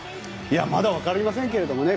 まだわかりませんけどね。